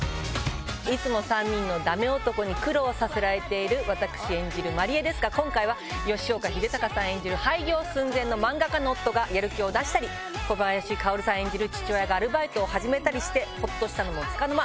いつも３人のダメ男に苦労させられている私演じる万里江ですが今回は吉岡秀隆さん演じる廃業寸前の漫画家の夫がやる気を出したり小林薫さん演じる父親がアルバイトを始めたりしてほっとしたのもつかの間！